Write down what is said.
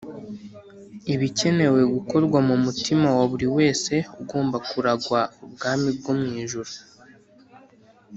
ibikenewe gukorwa mu mutima wa buri wese ugomba kuragwa ubwami bwo mw’ijuru